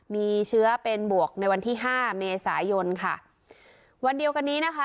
มีเชื้อเป็นบวกในวันที่ห้าเมษายนค่ะวันเดียวกันนี้นะคะ